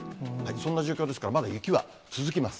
そんな状況ですから、まだ雪は続きます。